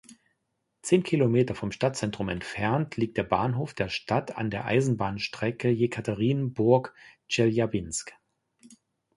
Zehn Kilometer vom Stadtzentrum entfernt liegt der Bahnhof der Stadt an der Eisenbahnstrecke Jekaterinburg–Tscheljabinsk.